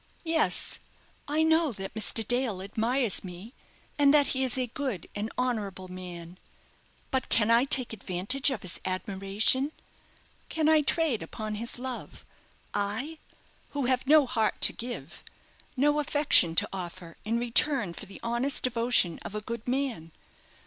"Yes, I know, that Mr. Dale admires me, and that he is a good and honourable man; but can I take advantage of his admiration? Can I trade upon his love? I who have no heart to give, no affection to offer in return for the honest devotion of a good man?